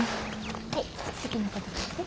はい好きなこと書いて。